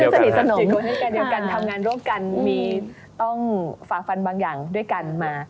สนิทสนมให้การเดียวกันทำงานร่วมกันมีต้องฝ่าฟันบางอย่างด้วยกันมา